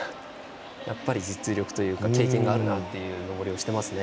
やっぱり実力というか経験があるなという登りをしていますね。